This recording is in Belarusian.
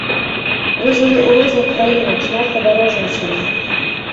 Вы жылі ў розных краінах, шмат падарожнічалі.